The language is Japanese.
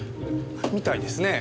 みたいですね。